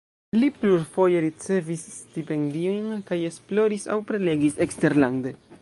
Li plurfoje ricevis stipendiojn kaj esploris aŭ prelegis eksterlande.